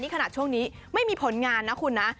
ขนาดช่วงนี้ไม่มีผลงานนะคุณนะ